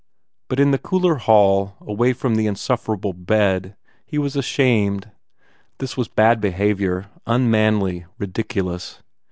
But in the cooler hall, away from the insufferable bed, he was ashamed. This was bad behaviour, unmanly, ridiculous.